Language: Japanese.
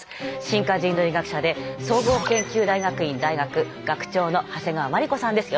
進化人類学者で総合研究大学院大学学長の長谷川眞理子さんです。